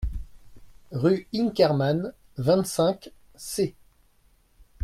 rue Inkermann, vingt-cinq, c.